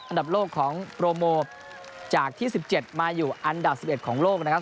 อันดับโลกของโปรโมจากที่๑๗มาอยู่อันดับ๑๑ของโลกนะครับ